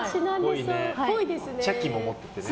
茶器も持っててね。